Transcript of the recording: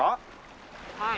はい。